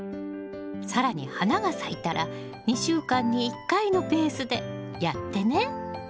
更に花が咲いたら２週間に１回のペースでやってね！